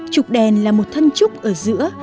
trục đèn là một thân trúc ở giữa